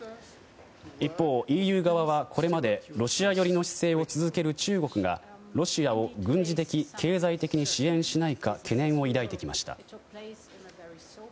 一方、ＥＵ側はこれまでロシア寄りの姿勢を続ける中国がロシアを軍事的、経済的に支援しないか懸念を抱いてきました。